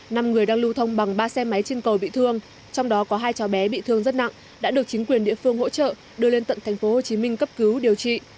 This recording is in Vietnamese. năm người đang lưu thông bằng ba xe máy trên cầu bị thương trong đó có hai cháu bé bị thương rất nặng đã được chính quyền địa phương hỗ trợ đưa lên tận tp hcm cấp cứu điều trị